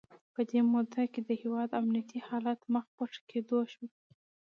په دې موده کې د هیواد امنیتي حالات مخ په ښه کېدو شول.